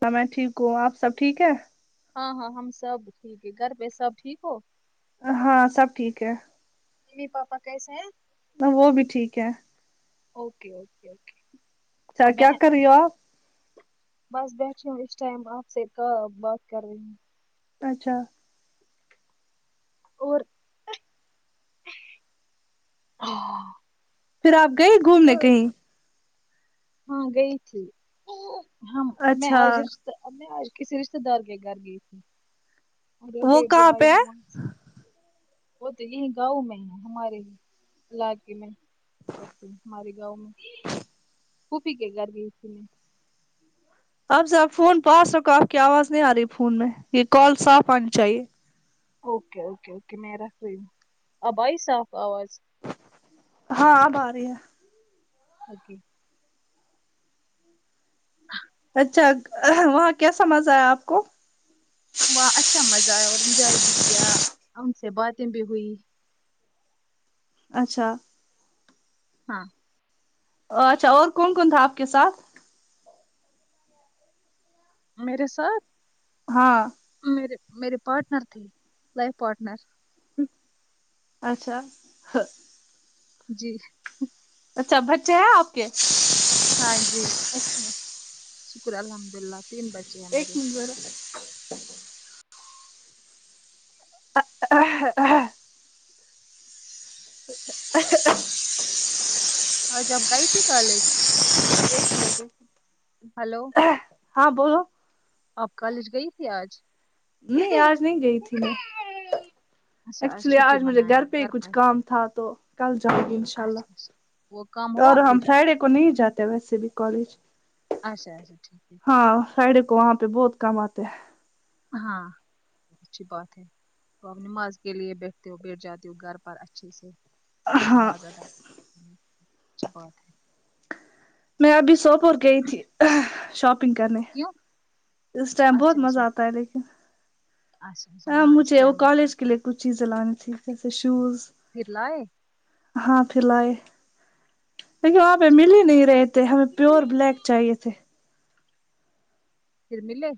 ہاں میں ٹھیک ہوں آپ سب ٹھیک ہے ہاں ہاں ہم سب ٹھیک ہے گھر پہ سب ٹھیک ہو ہاں سب ٹھیک ہے ممی پاپا کیسے ہیں وہ بھی ٹھیک ہے اوکے اوکے اوکے اچھا اور کیا بہن کر رہی ہو آپ بس بیٹھی ہوں اس ٹائم آپ سے کہ بات کر رہی ہوں اچھا اور پھر آپ گئے گھومنے کہیں ہاں گئی تھی ہم میں اچھا آئے جب سے اب میں آج کسی رشتے دار کے گھر گئی تھی اور وہ ابھی ابھی کہاں پہ آئی ہے ہوں وہاں سے وہ تو یہیں گاؤں میں ہے ہمارے ہی علاقے میں کرتی ہوں ہمارے گاؤں میں پھوپھی کے گھر گئی تھی میں آپ ذرا فون پاس رکھو آپ کی آواز نہیں آ رہی فون میں یہ کال صاف آنی چاہیے اوکے اوکے اوکے میں رکھ رہی ہوں اب آئی صاف آواز ہاں اب آرہی ہے اوکے اچھا اہ وہاں کیسا مزہ آیا آپ کو ہاں اچھا مزہ آیا اور انجواۓ بھی کیا ہم سے باتیں بھی ہوئی اچھا ہاں اچھا اور کون کون تھا آپ کے ساتھ میرے ساتھ ہاں میرے میرے پارٹنر تھی لائف پارٹنر اچھا ہا جی اچھا بچے ہیں آپ کے ہاں جی شکر الحمد اللہ تین بچے ہیں میرے [inaudible] آہہ آہا [inaudible] آج آپ گئی تھی کالج ہلو ہاں بولو آپ کالج گئی تھی آج نہیں آج نہیں گئی تھی میں اچھا ایکچولی چھٹی آج مجھے منائی گھر پہ ہی کچھ پر کام تھا تو کل جاؤں گی انشاء اللہ اچھا اچھا وہ کام ہوا اور ہم پھر فرائیڈے کو نہیں جاتے ویسے بھی کالج اچھا جی ٹھیک ہے ہاں فرائڈے کو وہاں پہ بہت کام آتے ہیں ہاں اچھی بات ہے تو آپ نماز کے لیے بیٹھتے ہو بیٹھ جاتے ہو گھر پر اچھے سے ہاں ما زیادہ ہے ہوں اچھی بات ہے میں ابھی سوپور گئی تھی ہ شاپنگ کرنے کیوں اس ٹائم بہت مزہ آتا ہے لیکن اچا اچھا ہاں اس مجھے وہ ٹائم مزاہ کالج آتا کے ہے لیے کچھ چیزیں لانی تھی جیسے شوز پھر لائے ہاں پھر لاے دیکھیے وہاں پہ مل ہی نہیں رہےتھے ہمیں پیور بلیک چاہیے تھے پھر ملے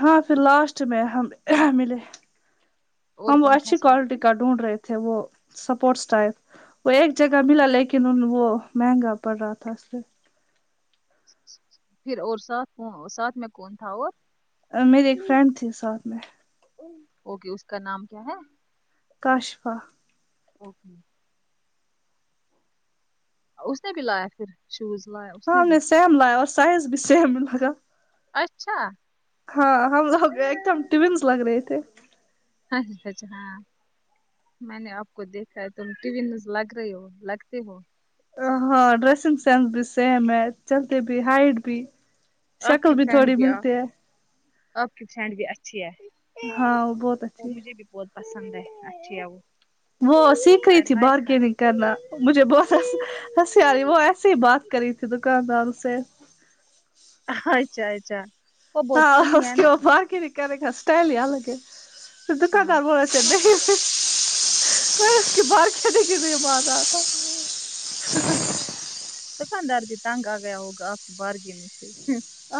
ہاں پھر لاسٹ میں ہم ا ملے اور ہم وہ کون تھا اچھی ساتھ کوالٹی میں کا ڈھونڈ رہے تھے وہ سپورٹس ٹائپ وہ ایک جگہ ملا لیکن ان وہ مہنگا پڑ رہا تھا اس لیے پھر اور ساتھ کوں ساتھ میں کون تھا اور میری ایک فرینڈ تھی ساتھ میں اوکے اس کا نام کیا ہے کاشفا اوکے اس نے بھی لایا پھر شوز لایا اس ہاں نے ہم بھی سیم لایا اور سائز بھی سیم لایا اچھا ہاں ہم لوگ ایک دم ٹو ینس لگ رہے تھے ہاں جی ہاں جی ہاں میں نے آپ کو دیکھا ہے تم ٹیوینیوز لگ رہی ہو لگتی ہو ہاں ڈریسنگ سینس بھی سیم ہے چلتے بھی ہائٹ بھی آپ شکل کی بھی فرینڈ تھوڑی ملتی آپ ہے آپ کی سینڈ بھی اچھی ہے ہاں وہ بہت وہ اچھی ہے مجھے بھی بہت پسند ہے اچھی ہے وہ وہ سیکھ رہی تھی بارگینگ کرنا مجھے بہت ہنسی ہنسی آ رہی وہ ایسے ہی بات کری تھی دکانداروں سے اچھا اچھا وہ بہت ہاں فنی اس ہے کی نا وہ باق کرے کا اسٹائل ہی الگ ہے دکا ہاں ندار ب [unintelligible] دکاندار بھی تنگ آ گیا ہوگا آپ کے بارگن سے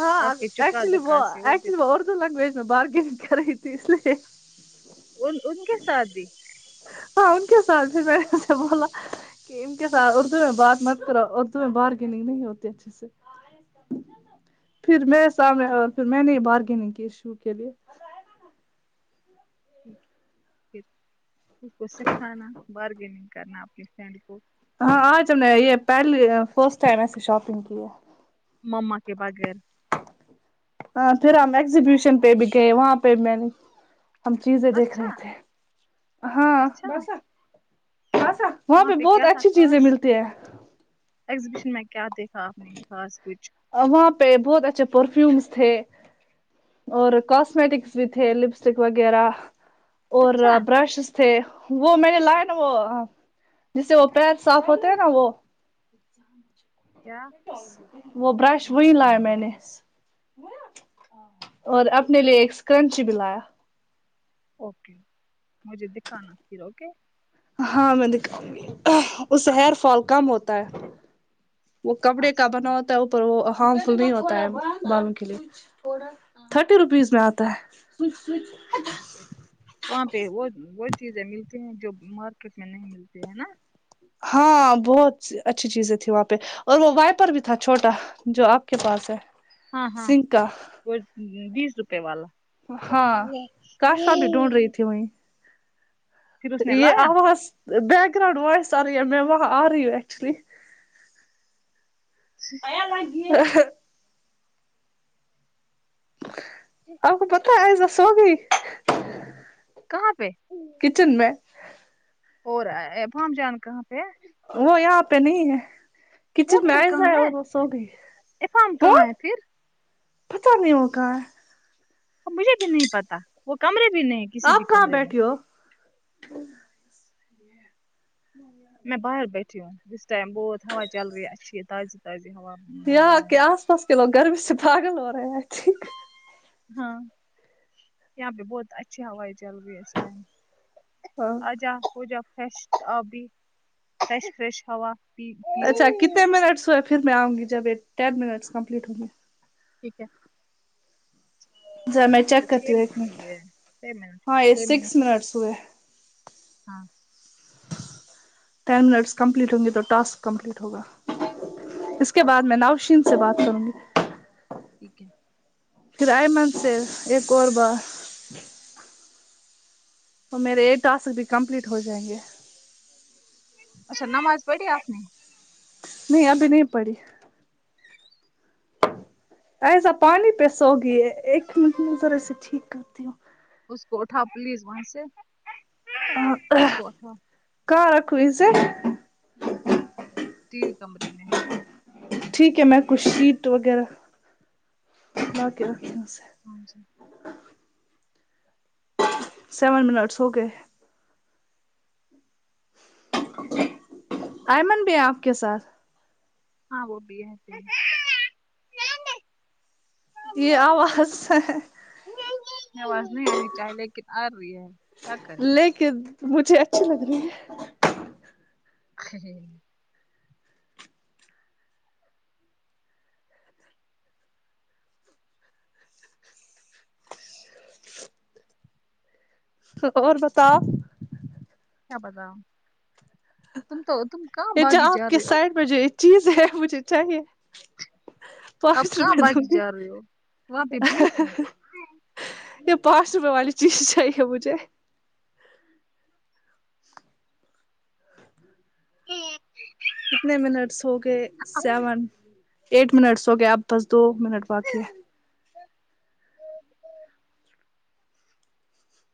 ہاں آپ ایکچولی وہ دکا سے بھی ایکچولی وہ اور لینگویج میں بارگنگ کر رہی تھی اس لیے ان ان کے ساتھ بھی ہاں ان کے سال تھے میں نے اسے بولا کہ ان کے ساتھ اردو میں بات مت کرو اردو میں بارگیننگ نہیں ہوتی اچھے سے پھر میرے سامنے پھر میں نے ہی بارگیننگ کی شو کے لیے پھر ان کو سکھانا بارگیننگ کرنا اپنی فرینڈ کو ہاں آج ہم نے یہ پہل فسٹ ٹائم ایسی شاپنگ کی ہے مما کے بغیر ہان پھر ہم ایگزیبیشن پہ بھی گئے وہاں پہ میں نے ہم چیزیں دیکھ رہے اچھا تھے ہاں اچھا بس ہے بس ہے وہاں پہ بہت کیا تھا اچھی چیزیں خاص ملتی ہے ایگزیبیشن میں کیا دیکھا آپ نے خاص کچھ ا وہاں پہ بہت اچھے پرفیومس تھے اور کاسمیٹکس بھی تھے لپسٹک وغیرہ اور اچھا برشز تھے وہ میں نے لایا نا وہ جس سے وہ پیر صاف ہوتے ہیں نا وہ [unintelligible] کیا وہ برش وہی لایا میں نے اور اپنے لیے ایک اسکرنچ بھی لایا اوکے مجھے دکھانا پھر اوکے ہاں میں دکھاؤنگی اس سے ہیئر فال کم ہوتا ہے وہ کپڑے کا بنا آسان. ہوتا ہے اوپر وہ ہارم فل نہیں ہوتا ہے بالوں کے لیے تھرٹی روپیز میں آتا ہے وہاں پہ وہ وہ چیزیں ملتی ہیں جو مارکیٹ میں نہیں ملتی ہے نا ہاں بہت اچھی چیزیں تھی وہاں پہ اور وہ وائپر بھی تھا چھوٹا جو آپ کے پاس ہے ہاں ہاں سنگھ کا وہ بیس روپے والا ہاں کاشفا بھی ڈھونڈ رہی [inaudible] تھی وہیں پھر اس نے یہ لایا آواز باک گرؤنڈ وائس آرہی میں وہاں آرہی ایکچولی اہ آپ کو پتہ ہے آئیزہ سو گئی کہاں پہ کچن میں ہو رہا ہے بھاب جان کہاں پہ ہے وہ یہاں پہ نہیں ہے وہ کچن میں پھر ائیزا کہاں ہے اور وہ سوگئی ہے افام کہاں کون ہے پھر پتا نہیں وہ کہاں ہے مجھے بھی نہیں پتہ وہ کمرے بھی نہیں کسی آپ بھی کہاں کمرے میں بیٹھی ہو میں باہر بیٹھی ہوں اس ٹائم بہت ہوا چل رہی ہے اچھی تازی تازی ہوا یہاں باہر کے آس پاس کے لوگ گرمی سے پاگل ہورہے ہیں ٹھیک ہاں یہاں پہ بہت اچھی ہوائیں چل رہی ہے اس ٹائم ہاں آجا ہوجاؤ فریش آپ بھی فریش فریش ہوا پی پیو اچھا کتنے منٹس ہوئے پھر میں آؤں گی جب یہ ٹین منٹس کمپلیٹ ہوں گی ٹھیک ہے اچھا ذرا میں تو چیک چھ کرتی ہوں ایک منٹ ہوۓ ہے چھ منٹ ہاں یہ چھ منٹ سکس منٹس ہوئے ہاں ٹین منٹس کمپلیٹ ہوں گے تو ٹاسک کمپلیٹ ہوگا اس کے بعد میں ناؤشین سے بات کروں گی ٹھیک ہے پھر ائمن سے ایک اور بار اور میرے یہ ٹاسک بھی کمپلیٹ ہو جائیں گے اچھا نماز پڑھی آپ نے نہیں ابھی نہیں پڑھی ائیزا پانی پہ سو گی ہے ایک منٹ میں ذرا اسے ٹھیک کرتی ہوں اس کو اٹھا پلیز وہاں سے کو اٹھا کہاں رکھو ں ا سے ٹی وی کمرے میں ٹھیک ہے میں کچھ شیٹ ٹوکر لاکے رکھتی ہوں اسے ہاں جی سیون منٹس ہو گئے ایمن بھی آپ کے ساتھ ہاں وہ بھی ہے یہ آواز ہے ہے یہ آواز نہیں آنی چاہی لیکن آ رہی ہے کریں لیکن مجھے اچھی لگ رہی ہے ہیں۔ ہں ہں اور بتاؤ کیا بتاؤں یہ جو باغی آپ جا کے رہے ہو سائڈ میں جو یہ چیز ہے مجھے چاہیے آپ پانچ کہاں روپے دوں باغی گی جا رہے ہو وہاں پہ بھوت ہے یہ پانچ روپے والی چیز ہی چاہیے مجھے [unintelligible] کتنے منٹس ہو گئے سیون ایٹھ منٹس ہو گئے اب بس دو منٹ باقی ہے اور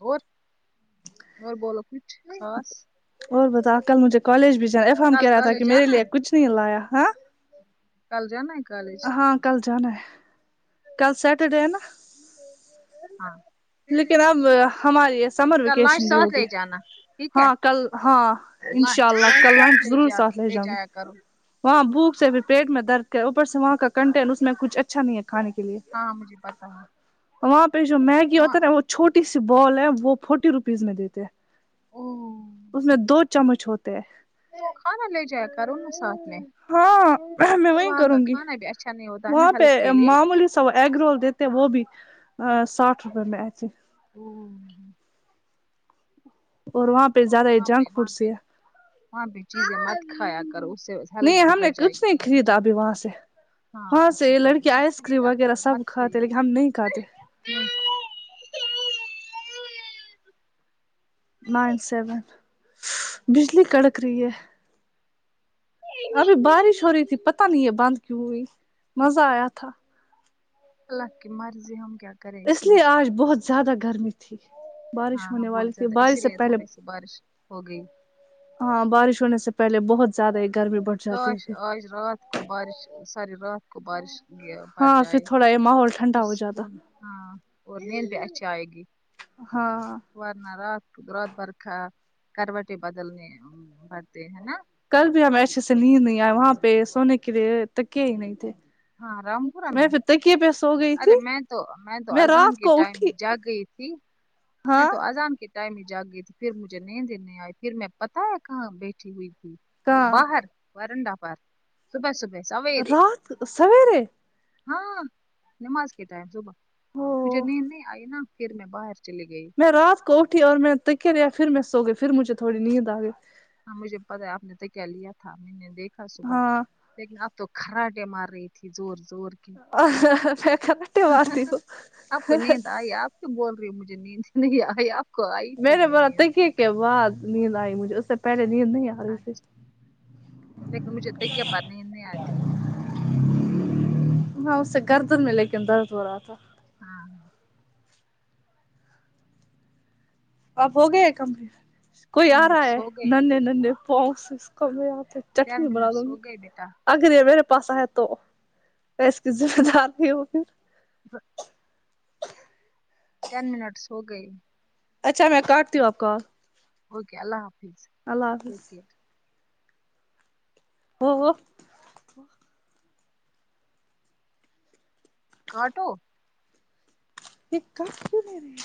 اور اور بولو کچھ خاص اور بتا کل مجھے کالج بھی جانا افہام کہہ کل رہا تھا کہ کالج میرے جانا لیے ہے کچھ نہیں لایا ہاں کل جانا ہے کالج ہاں کل جانا ہے کل سیٹرڈے ہے نا ہاں لیکن اب ہماری یہ سمر کل لنچ ویکیشن بھی ساتھ ہوگے لے جانا ٹھیک ہے ہاں کل ہاں انشاء لنچ اللہ کل لنچ ساتھ لے ضرور جا ساتھ لے جاؤں گی جایا کرو وہاں بھوک سے بھی پیٹ میں درد ہے اوپر سے وہاں کا کنٹین اس میں کچھ اچھا نہیں ہے کھانے کے لیے ہاں مجھے پتا ہے وہاں پہ جو میگی ہوتا ہے نا وہ چھوٹی سی بال ہے وہ فورٹی روپیز میں دیتے ہیں او اس میں دو چمچ ہوتے ہیں کھانا لے جایا کرو نا ساتھ میں ہاں میں اور وہی وہاں کا کروں گی کھانا اچھا نہیں ہے نا وہاں پہ ہیلتھ کے لیے معمولی سا وہ ایگ رول دیتے وہ بھی ا ساٹھ روپئے میں ایسے وہ نہی اور وہاں پہ ز وہاں پہ وہاں پہ وہاں پہ چیزیں مت کھایا کرو اس سے ہیلتھ نہیں ہم بگڑ نے جائے کچھ گی نہیں اللہ خریدا بچاۓ ابھی وہاں سے ہاں وہاں سے اچھی یہ بات ہے لڑکی مت آئس کریم خریدا وغیرہ کرو مت سب کھاتے خریدو لیکن ہم نہیں کھاتے ہوں نائن سیون بجلی کڑک رہی ہے ابھی بارش ہو رہی تھی پتہ نہیں یہ بند کیوں ہوئی مزہ آیا تھا اللہ کی مرضی ہم کیا کریں اس میں لیے آج بہت زیادہ گرمی تھی ہاں بارش ہاں ہونے بہت والی تھی زیادہ اسی بارش سے لیے پہلے تھوڑی سی بارش ہو گئی ہاں بارش ہونے سے پہلے بہت زیادہ ہی گرمی بڑھ جاتی ہے کاش پھر آج رات کو بارش ساری رات کو بارش پڑ ہاں پھر جائے تھوڑا یہ ماحول ٹھنڈا پھر ہو جاتا سکون ہاں اور نیند بھی اچھا آئے گی ہاں ورنہ رات رات بھر کھا کروٹیں بدلنے پڑتے ہے نا کل بھی ہمیں اچھے سے نیند نہیں آئی وہاں پہ سونے کے لیے تکئے ہی نہیں تھے ہاں رام پورہ میں تکیے پہ سو گئی تھی ارے میں تو میں تو اذان رات کے کو ٹائم اٹھی میں جاگ گئی تھی میں ہاں تو اذان کے ٹائم ہی جاگ گئی تھی پھر مجھے نیند ہی نہیں آئی پھر میں پتا ہے کہاں بیٹھی ہوئی تھی کہاں باہر ورنڈا پر صبح صبح سویرے رات سویرے ہاں نماز کے ٹائم صبح مجھے او نیند نہیں آئی نا پھر میں باہر چلی گئی میں رات کو اٹھی اور میں نے تکے لیا پھر میں سوگئی پھر مجھے تھوڑی نیند آ گئی ہاں مجھے پتا ہے آپ نے تکیہ لیا تھا میں نے دیکھا صبح ہاں لیکن اب تو کراٹیں مار رہی تھی زور زور کی میں کٹے مارتی ہوں آپ کو نیند آئی آپ کی بول رہی ہو مجھے نیند نہیں آئی آپ کو آئی تھی میرے بر نیند تکئے کے بعد نیند آئی مجھے اس سے پہلے نیند نہیں آئی اچھا لیکن مجھے تکیہ پر نیند نہیں آتی ہاں اس سے گردن میں لیکن درد ہو رہا تھا ہاں آپ ہو گئے کم کوئی ٹین آ رہا منٹس ہو گئے ہے نے نے پہنس کم آتے تھ چٹنی ٹین بنادوں منٹس گی ہو گئے بیٹا اگر یہ میرے پاس آئے تو پیسے زیادہ آتے ہوگے ٹین منٹس سوگئی اچھا میں کاٹتی ہوں آپ کا اوکے اللہ حافظ اللہ حافظ ٹیک کیئر ہو ہو کاٹو یہ کاٹ کیو نہیں رہے